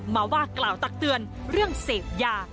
มาว่ากล่าวตักเตือนเรื่องเสพยา